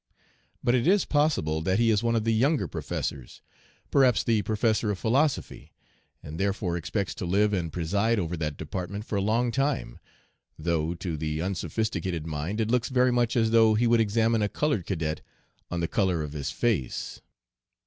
But it is possible that he is one of the younger professors, perhaps the professor of philosophy, and therefore expects to live and preside over that department for a long time, though to the unsophisticated mind it looks very much as though he would examine a colored cadet on the color of his face.